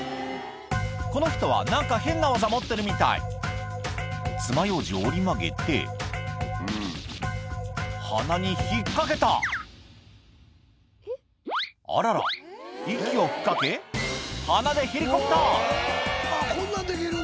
この人は何か変な技持ってるみたいつまようじを折り曲げて鼻に引っかけたあらら息を吹きかけ鼻でヘリコプターこんなんできるんだ。